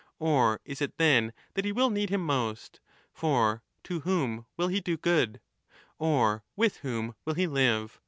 1212'' MAGxNA MORALIA 30 is it then that he will need him most ? For to whom will he do good ? Or with whom will he live